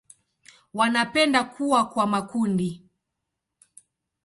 Wanapenda kuwa kwa makundi.